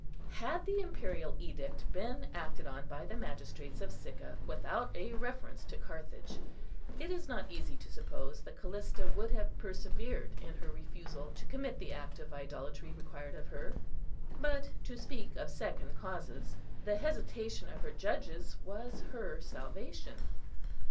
Had the imperial edict been acted on by the magistrates of Sicca, without a reference to Carthage, it is not easy to suppose that Callista would have persevered in her refusal to commit the act of idolatry required of her. But, to speak of second causes, the hesitation of her judges was her salvation.